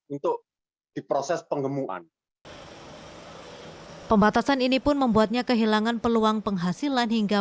untuk diproses pengemuan pembatasan ini pun membuatnya kehilangan peluang penghasilan hingga